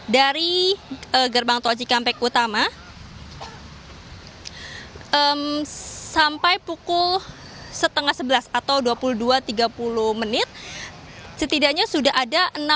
dari gerbang tol cikampek utama sampai pukul setengah sebelas atau dua puluh dua tiga puluh menit setidaknya sudah ada enam puluh lima empat puluh dua kendaraan